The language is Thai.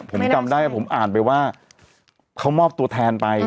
ผมจำได้ผมอ่านไปว่าเขามอบตัวแทนไป